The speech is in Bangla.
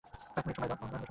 কয়েক মিনিট সময় দাও।